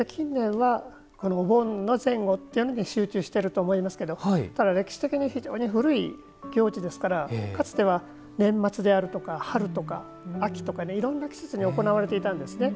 お盆の前後っていうのに集中してると思いますけどただ、歴史的に非常に古い行事ですからかつては、年末であるとか春とか秋とかでいろんな季節に行われていたんですね。